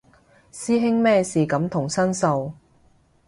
師兄咩事感同身受